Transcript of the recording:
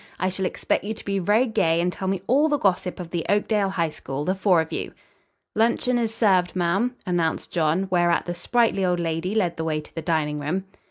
I shall expect you to be very gay and tell me all the gossip of the Oakdale High School, the four of you." "Luncheon is served, ma'am," announced John, whereat the sprightly old lady led the way to the dining room.